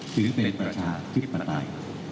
ถือเป็นประชาธิปไตย